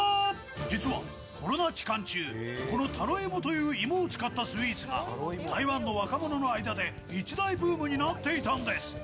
実はコロナ期間中、このタロイモといわれる芋を使ったスイーツが台湾の若者の間で一大ブームになっていたんです。